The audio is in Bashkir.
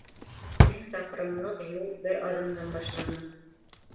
Мең саҡрымлыҡ юл бер аҙымдан башлана.